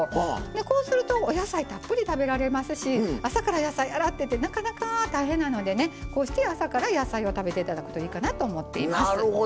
こうすると、お野菜たっぷり食べられますし朝から野菜を洗ってってなかなか大変なんでねこうして朝から野菜を食べていただくのもいいかなと思っています。